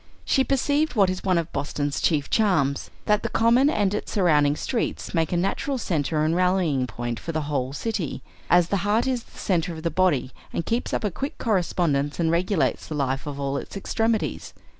She perceived what is one of Boston's chief charms, that the Common and its surrounding streets make a natural centre and rallying point for the whole city; as the heart is the centre of the body and keeps up a quick correspondence and regulates the life of all its extremities.